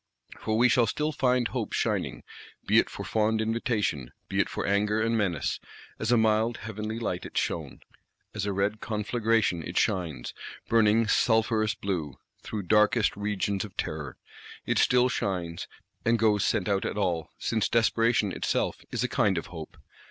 For we shall still find Hope shining, be it for fond invitation, be it for anger and menace; as a mild heavenly light it shone; as a red conflagration it shines: burning sulphurous blue, through darkest regions of Terror, it still shines; and goes sent out at all, since Desperation itself is a kind of Hope.